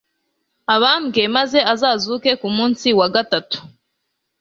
abambwe maze azazuke ku munsi wa gatatu.»